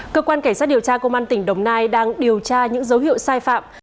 cơ quan cảnh sát điều tra công an tỉnh đồng nai đang điều tra những dấu hiệu sai phạm